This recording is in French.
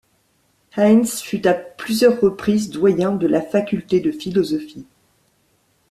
Heintz fut à plusieurs reprises doyen de la Faculté de philosophie.